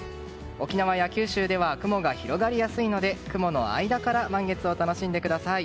沖縄や九州では雲が広がりやすいので雲の間から満月を楽しんでください。